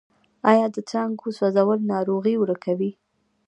آیا د څانګو سوځول ناروغۍ ورکوي؟